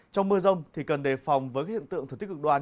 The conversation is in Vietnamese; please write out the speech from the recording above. trong mưa rông thì cần đề phòng với các hiện tượng thực tích cực đoan